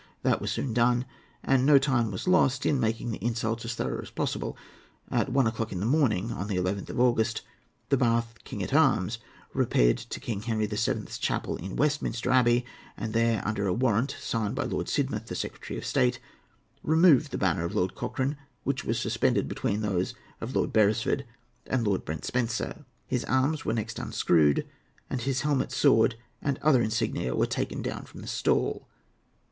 That was soon done, and no time was lost in making the insult as thorough as possible. At one o'clock in the morning of the 11th of August, the Bath King at Arms repaired to King Henry the Seventh's Chapel in Westminster Abbey, and there, under a warrant signed by Lord Sidmouth, the Secretary of State, removed the banner of Lord Cochrane, which was suspended between those of Lord Beresford and Sir Brent Spencer. His arms were next unscrewed, and his helmet, sword, and other insignia were taken down from the stall.